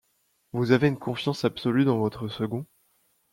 Vous avez une confiance absolue dans votre second ?